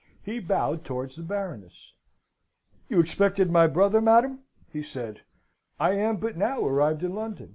He bowed towards the Baroness. "You expected my brother, madam?" he said "I am but now arrived in London.